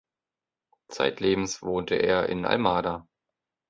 Zeitlebens wohnte er in Almada.